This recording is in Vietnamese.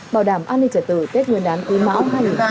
bảo đảm an ninh trật tự tết nguyên đán quý mão hai nghìn hai mươi ba